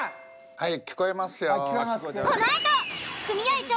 はい。